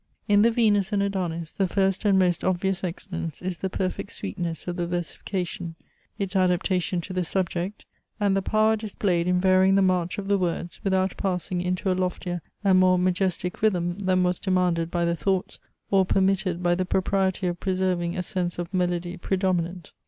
In the VENUS AND ADONIS, the first and most obvious excellence is the perfect sweetness of the versification; its adaptation to the subject; and the power displayed in varying the march of the words without passing into a loftier and more majestic rhythm than was demanded by the thoughts, or permitted by the propriety of preserving a sense of melody predominant.